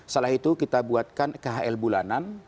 setelah itu kita buatkan khl bulanan